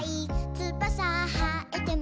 「つばさはえても」